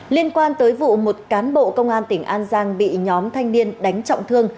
liên quan tới vụ một cán bộ công an tỉnh an giang bị nhóm thanh niên đánh trọng thương